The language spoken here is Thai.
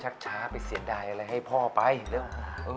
ชักช้าไปเสียดายอะไรให้พ่อไปเร็ว